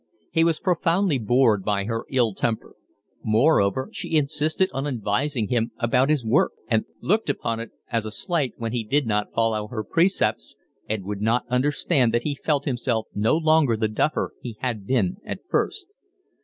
He was profoundly bored by her ill temper. Moreover she insisted on advising him about his work, looked upon it as a slight when he did not follow her precepts, and would not understand that he felt himself no longer the duffer he had been at first.